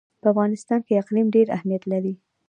په افغانستان کې اقلیم ډېر اهمیت لري.